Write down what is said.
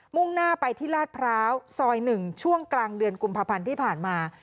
่งหน้าไปที่ลาดพร้าวซอย๑ช่วงกลางเดือนกุมภาพันธ์ที่ผ่านมา